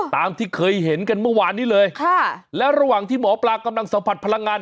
ตามที่เคยเห็นกันเมื่อวานนี้เลยค่ะและระหว่างที่หมอปลากำลังสัมผัสพลังงาน